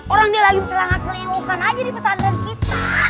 orang dia lagi bercelangat celingukan aja di pesantren kita